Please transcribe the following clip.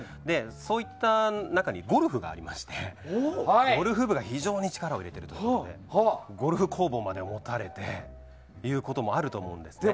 そういった中にゴルフがありましてゴルフ部に非常に力を入れていましてゴルフ工房まで持たれてということもあるんですね。